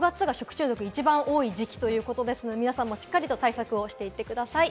６月、食中毒が一番多い時期ということですので、皆さんもしっかり対策していってください。